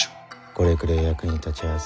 これくれえ役に立ちゃせ。